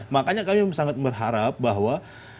makanya kami sangat berharap bahwa